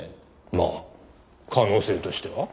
まあ可能性としては。